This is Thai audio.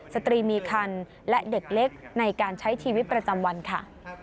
สตรีมีคันและเด็กเล็กในการใช้ชีวิตประจำวันค่ะ